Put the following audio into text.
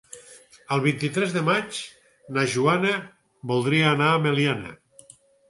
El vint-i-tres de maig na Joana voldria anar a Meliana.